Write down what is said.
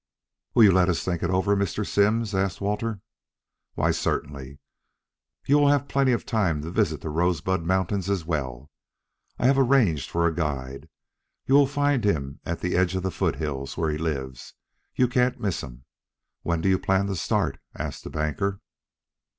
"Will you let us think it over, Mr. Simms!" asked Walter. "Why, certainly. You will have plenty of time to visit the Rosebud Mountains as well. I have arranged for a guide. You will find him at the edge of the foothills where he lives. You can't miss him. When do you plan to start?" asked the banker.